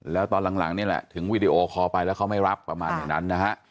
แล้วตอนหลังนี่แหละถึงวีดีโอคอลไปแล้วเขาไม่รับประมาณอย่างนั้นนะฮะ